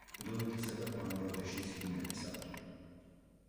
ინდოეთისა და ბანგლადეშის ჰიმნების ავტორი.